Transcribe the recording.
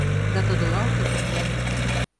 Да тодылалте кумылем.